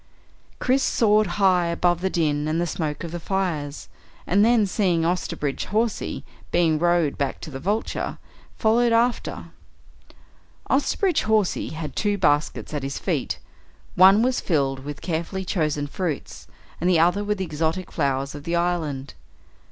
Chris soared high above the din and the smoke of the fires, and then seeing Osterbridge Hawsey being rowed back to the Vulture, followed after. Osterbridge Hawsey had two baskets at his feet. One was filled with carefully chosen fruits, and the other with the exotic flowers of the island.